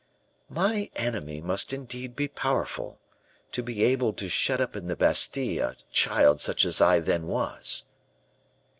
"My enemy must indeed be powerful, to be able to shut up in the Bastile a child such as I then was."